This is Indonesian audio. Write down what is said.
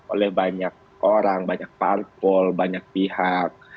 oleh banyak orang banyak parpol banyak pihak